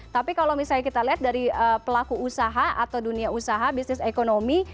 tapi kalau misalnya kita lihat dari pelaku usaha atau dunia usaha bisnis ekonomi